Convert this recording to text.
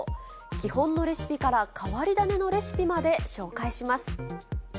基本のレシピから、変わり種のレシピまで紹介します。